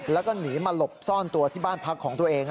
แล้วก็หนีมาหลบซ่อนตัวที่บ้านพักของตัวเอง